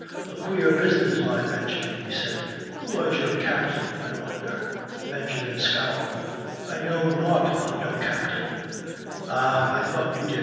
"A queer business, my Benjamin," he said. "Who was your captain, I wonder?" Benjamin scowled. "I know nought o' no captain." "Ah, I thought you did.